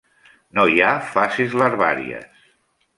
No hi ha fases larvàries.